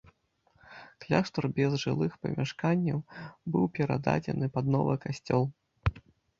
Кляштар без жылых памяшканняў быў перададзены пад новы касцёл.